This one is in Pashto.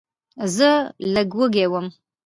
زه لږ وږی وم.